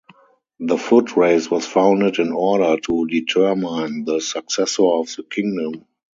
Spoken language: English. The foot-race was founded in order to determine the successor to the kingdom.